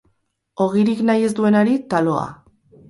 Ogirik nahi ez duenari, taloa.